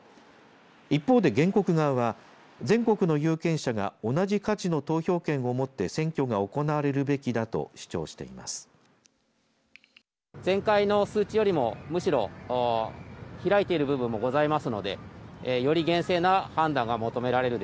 一方で原告側は、全国の有権者が同じ価値の投票権を持って選挙が行われるべきだと主張しています。